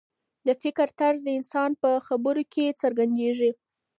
د فکر طرز د انسان په خبرو کې څرګندېږي.